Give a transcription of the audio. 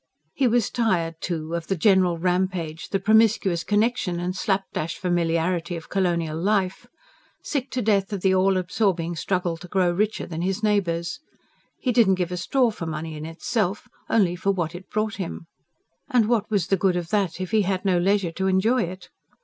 He was tired, too, of the general rampage, the promiscuous connexions and slap dash familiarity of colonial life; sick to death of the all absorbing struggle to grow richer than his neighbours. He didn't give a straw for money in itself only for what it brought him. And what was the good of that, if he had no leisure to enjoy it?